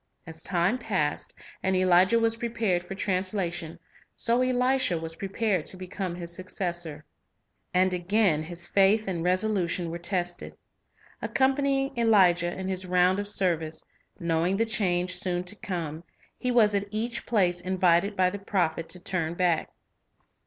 As time passed, and Elijah was prepared for transla tion, so Elisha was prepared to become his successor. And again his faith and resolution were tested. Accom panying Elijah in his round of service, knowing the change soon to come, he was at each place invited by the prophet to turn back.